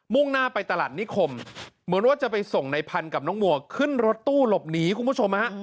่งหน้าไปตลาดนิคมเหมือนว่าจะไปส่งในพันธุ์กับน้องมัวขึ้นรถตู้หลบหนีคุณผู้ชมฮะ